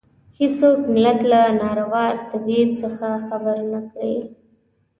هېڅوک ملت له ناروا تبې څخه خبر نه کړي.